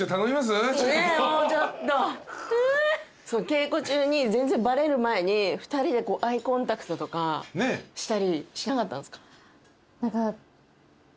稽古中に全然バレる前に２人でアイコンタクトとかしたりしなかったんすか？